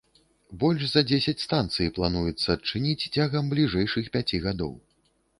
Больш за дзесяць станцый плануецца адчыніць цягам бліжэйшых пяці гадоў.